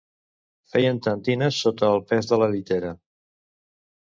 Feien tentines sota el pes de la llitera